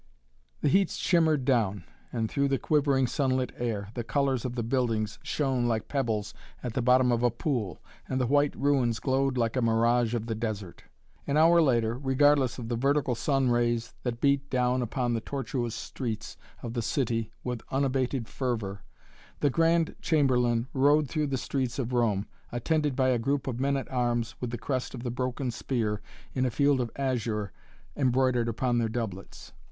The heat shimmered down and, through the quivering sunlit air, the colors of the buildings shone like pebbles at the bottom of a pool and the white ruins glowed like a mirage of the desert. An hour later, regardless of the vertical sun rays that beat down upon the tortuous streets of the city with unabated fervor, the Grand Chamberlain rode through the streets of Rome, attended by a group of men at arms with the crest of the Broken Spear in a Field of Azure embroidered upon their doublets.